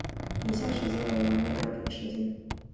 以下时间为南美标准时间。